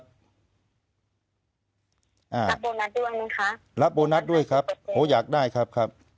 รับโบนัสด้วยไหมคะรับโบนัสด้วยครับโหอยากได้ครับครับ